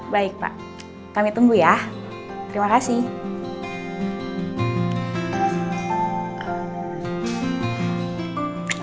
baik pak kami tunggu ya terima kasih